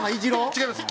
違います。